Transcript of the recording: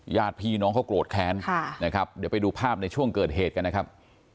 ญาติพี่น้องเขาโกรธแค้นนะครับเดี๋ยวไปดูภาพในช่วงเกิดเหตุกันนะครับ